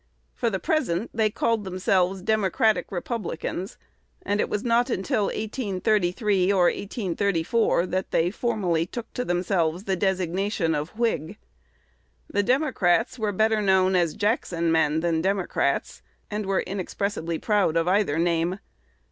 For the present they called themselves Democratic Republicans; and it was not until 1833 or 1834, that they formally took to themselves the designation of Whig. The Democrats were known better as Jackson men than as Democrats, and were inexpressibly proud of either name.